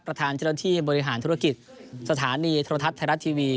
ประธานเจ้าหน้าที่บริหารธุรกิจสถานีโทรทัศน์ไทยรัฐทีวี